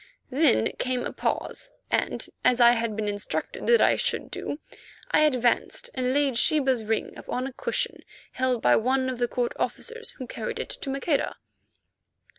Then came a pause, and, as I had been instructed that I should do, I advanced and laid Sheba's ring upon a cushion held by one of the court officers, who carried it to Maqueda.